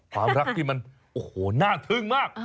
ความรักที่มันโอ้โหน่าทึ่งมาก